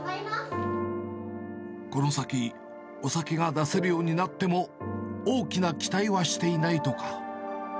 この先、お酒が出せるようになっても、大きな期待はしていないとか。